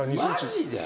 マジで？